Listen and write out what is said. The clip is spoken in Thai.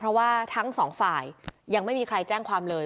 เพราะว่าทั้งสองฝ่ายยังไม่มีใครแจ้งความเลย